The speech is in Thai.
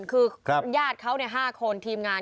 คือญาติเขา๕คนทีมงาน